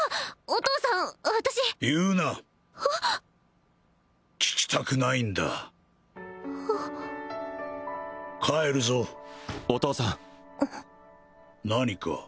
お父さん私言うな聞きたくないんだ帰るぞお父さん何か？